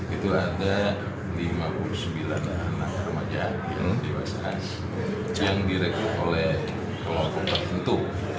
itu ada lima puluh sembilan anak remaja yang dewasa yang direkrut oleh kelompok tertentu